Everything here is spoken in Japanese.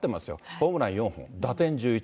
ホームラン４本、打点１１。